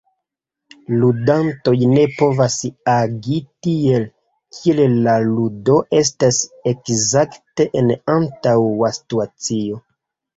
Ludantoj ne povas agi tiel, kiel la ludo estas ekzakte en antaŭa situacio.